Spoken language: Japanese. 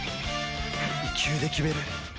一球で決める。